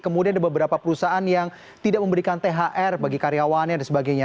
kemudian ada beberapa perusahaan yang tidak memberikan thr bagi karyawannya dan sebagainya